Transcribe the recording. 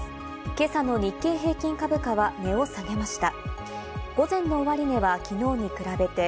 今朝の日経平均株価は値を下げました。